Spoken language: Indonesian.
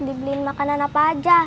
dibeliin makanan apa aja